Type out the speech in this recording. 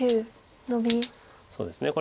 そうですね